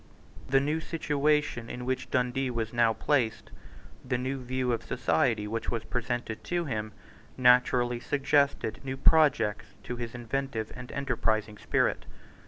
The new situation in which Dundee was now placed, the new view of society which was presented to him, naturally suggested new projects to his inventive and enterprising spirit.